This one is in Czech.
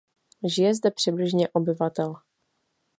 Žije zde přibližně obyvatel.